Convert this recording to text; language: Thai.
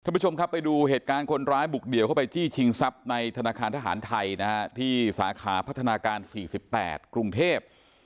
ผู้ชมครับไปดูเหตุการณ์คนร้ายบุกเดี่ยวเข้าไปจี้ชิงทรัพย์ในธนาคารทหารไทยนะฮะที่สาขาพัฒนาการ๔๘กรุงเทพ